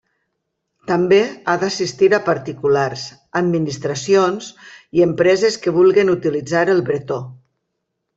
També ha d'assistir a particulars, administracions i empreses que vulguin utilitzar el bretó.